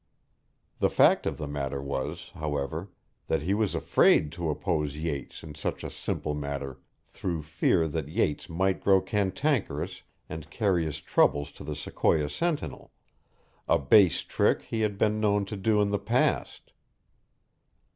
The fact of the matter was, however, that he was afraid to oppose Yates in such a simple matter through fear that Yates might grow cantankerous and carry his troubles to the Sequoia Sentinel a base trick he had been known to do in the past.